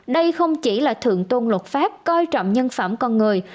đây không chỉ là thượng tôn luật pháp coi trọng nhân phẩm con người